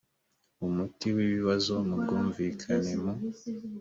umuti w ibibazo mu bwumvikane mu